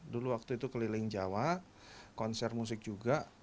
dulu waktu itu keliling jawa konser musik juga